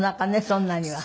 そんなには。